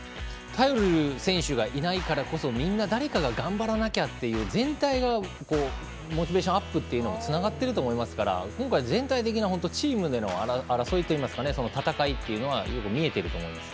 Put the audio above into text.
頼る選手がいないからこそみんな誰かが頑張らなきゃと全体がモチベーションのアップというのにつながっていると思いますから今回、全体的なチームでの争いといいますか戦いというのはよく見えていると思います。